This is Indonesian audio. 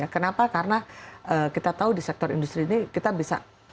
kenapa karena kita tahu di sektor industri ini kita bisa